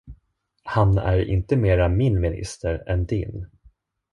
Han är inte mera min minister än din.